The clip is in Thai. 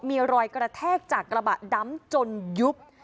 มีรอยกระแทกจากกระบะดำจนยุบ